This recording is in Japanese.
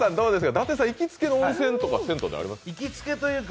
伊達さん、行きつけの銭湯とか温泉ありますか。